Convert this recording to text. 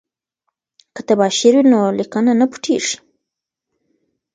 که تباشیر وي نو لیکنه نه پټیږي.